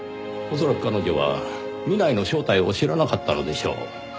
恐らく彼女は南井の正体を知らなかったのでしょう。